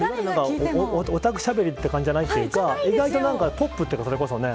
オタクしゃべりという感じじゃないというか意外とポップというかねそれこそ。